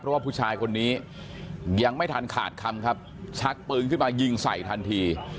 เพราะว่าผู้ชายคนนี้ยังไม่ทันขาดคำครับชักปืนขึ้นมายิงใส่ทันที